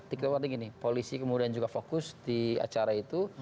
ticket warning gini polisi kemudian juga fokus di acara itu